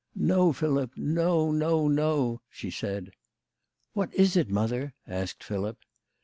" ISTo, Philip ; no, no, no," she said. " What is it, mother ?" asked Philip.